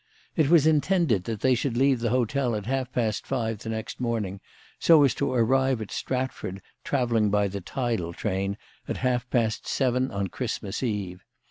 It was intended that they should leave the hotel at half past five the next morning, so as to arrive at Stratford, travelling by the tidal train, at half past seven on Christmas Eve.